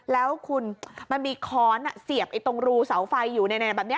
แล้วคุณมันมีค้อนเสียบตรงรูเสาไฟอยู่แบบนี้